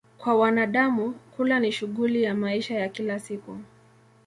Kwa wanadamu, kula ni shughuli ya maisha ya kila siku.